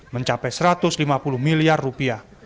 mencapai satu ratus lima puluh miliar rupiah